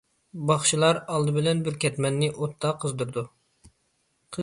باخشىلار ئالدى بىلەن بىر كەتمەننى ئوتتا قىزدۇرىدۇ.